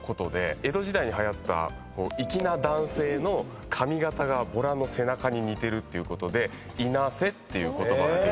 江戸時代にはやった粋な男性の髪形がボラの背中に似てるってことでいなせっていう言葉ができて。